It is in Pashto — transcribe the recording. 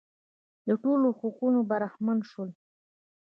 د ټولو حقونو برخمن شول.